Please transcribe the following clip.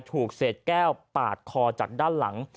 ถูกเศษแก้วปาดคอจากด้านหลัง